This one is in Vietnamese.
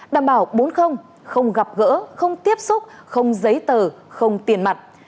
đảm bảo bốn không gặp gỡ không tiếp xúc không giấy tờ không tiền mặt